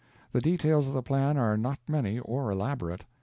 The details of the plan are not many or elaborate.